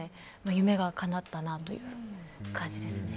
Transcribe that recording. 夢がかなったという感じですね。